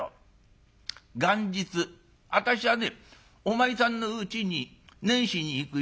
元日私はねお前さんのうちに年始に行くよ。